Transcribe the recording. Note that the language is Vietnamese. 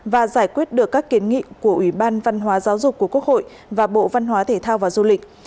và giải quyết được các kiến nghị của ubnd tp hà nội và bộ văn hóa thể thao và du lịch